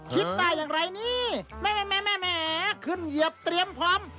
คิดได้อย่างไรนี่แม่ขึ้นเหยียบเตรียมพร้อม